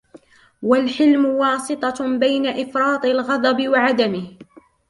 وَالْحِلْمُ وَاسِطَةٌ بَيْنَ إفْرَاطِ الْغَضَبِ وَعَدَمِهِ